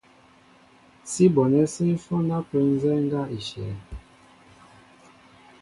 Sí bonɛ́ sí ǹhwɔ́n ápə́ nzɛ́ɛ́ ŋgá í shyɛ̄.